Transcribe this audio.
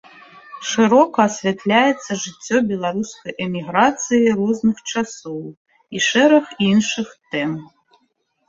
Шырока асвятляецца жыццё беларускай эміграцыі розных часоў і шэраг іншых тэм.